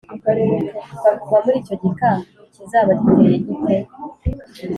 bavugwa muri icyo gika kizaba giteye gite?